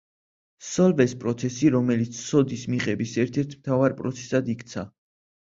სოლვეს პროცესი, რომელიც სოდის მიღების ერთ-ერთ მთავარ პროცესად იქცა.